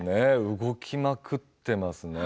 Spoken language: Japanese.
動きまくっていますね。